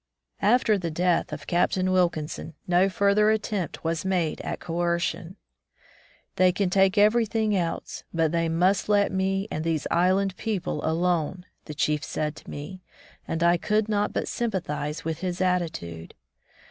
After the death of Captain Wilkinson, no further attempt was made at coercion. "They can take everything else, but they must let me and these island people alone,'* the chief said to me, and I could not but sympathize with his attitude.